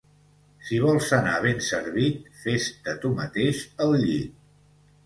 Si vols anar ben servit, fes-te tu mateix el llit